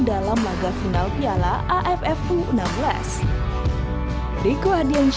dalam laga final piala aff u enam belas